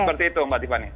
seperti itu mbak tiffany